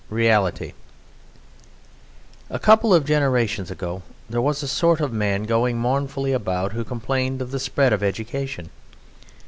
Reality A couple of generations ago there was a sort of man going mournfully about who complained of the spread of education.